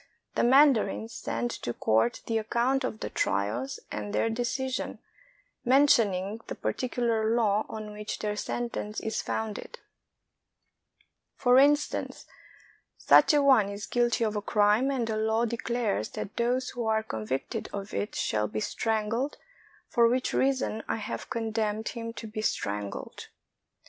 The mandarins send to court the account of the trials and their decision, men tioning the particular law on which their sentence is founded ; for instance, " Such a one is guilty of a crime, and the law declares that those who are convicted of it shall be strangled, for which reason I have condemned him to be strangled."